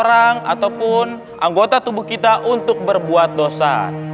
orang ataupun anggota tubuh kita untuk berbuat dosa